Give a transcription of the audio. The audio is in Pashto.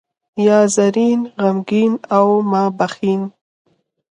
یا زرین، غمګین او ماپښین.